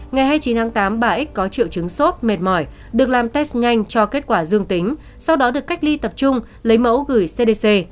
ngày hai mươi chín tháng tám chị t được làm test nhanh cho kết quả dương tính sau đó được cách ly tập trung và lấy mẫu gửi cdc